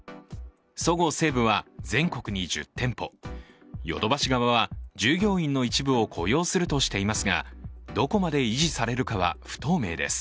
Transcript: そごう・西武は全国に１０店舗、ヨドバシ側は、従業員の一部を雇用するとしていますが、どこまで維持されるかは不透明です。